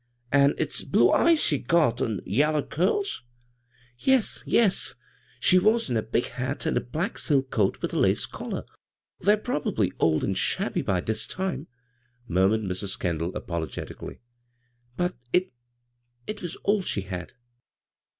" An' it's blue eyes she's got, an' yaller curls ?"" Yes, yes I She was in a big hat and a black silk coat with a lace collar. TTiey — they're probably old and shabby by this time," murmured Mrs. Kendall, apcJogetic ally ;" but it — it was all she had."